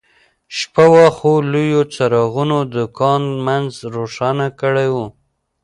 شپه وه خو لویو څراغونو د کان منځ روښانه کړی و